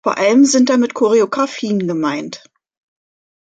Vor allem sind damit Choreografien gemeint.